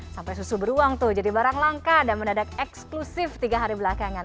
sampai susu beruang tuh jadi barang langka dan mendadak eksklusif tiga hari belakangan